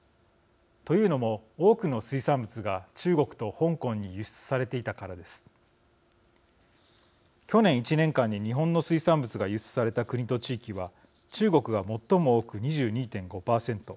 というのも多くの水産物が中国と香港に輸出されていたからです。去年１年間に日本の水産物が輸出された国と地域は中国が最も多く２２．５％。